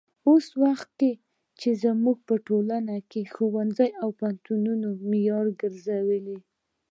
اوس وخت کې چې زموږ په ټولنه کې ښوونځي او پوهنتونونه معیار ګرځولي.